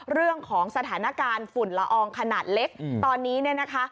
เรื่องของสถานการณ์ฝุ่นละอองขนาดเล็กตอนนี้เนี่ยนะคะ